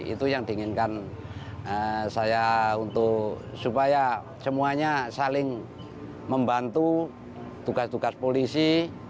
itu yang diinginkan saya untuk supaya semuanya saling membantu tugas tugas polisi